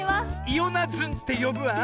イオナズンってよぶわ。